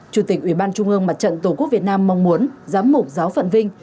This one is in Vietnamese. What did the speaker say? chủ tịch ủy ban trung ương mặt trận tổ quốc việt nam mong muốn giám mục giáo phận vinh